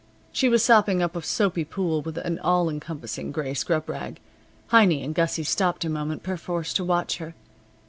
She was sopping up a soapy pool with an all encompassing gray scrub rag. Heiny and Gussie stopped a moment perforce to watch her.